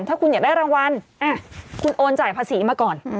ถ้าคุณอยากได้รางวัลคุณโอนจ่ายภาษีมาก่อน